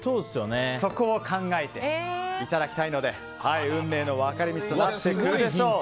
そこを考えていただきたいので運命の分かれ道となってくるでしょう。